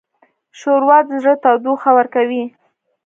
ښوروا د زړه تودوخه ورکوي.